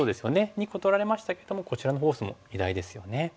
２個取られましたけどもこちらのフォースも偉大ですよね。